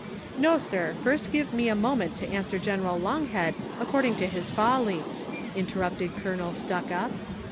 "•]S^o, sir, first give me a moment to answer General Longhead according to his folly," interrupted Colonel Stuckup.